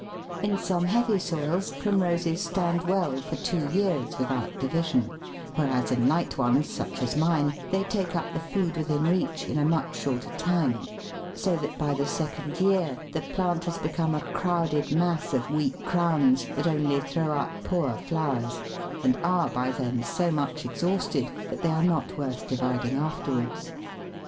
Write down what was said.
In some heavy soils Primroses stand well for two years without division; whereas in light ones, such as mine, they take up the food within reach in a much shorter time, so that by the second year the plant has become a crowded mass of weak crowns that only throw up poor flowers, and are by then so much exhausted that they are not worth dividing afterwards.